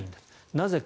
なぜか。